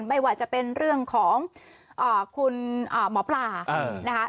ไม่ว่าจะเป็นเรื่องของคุณหมอปลานะคะ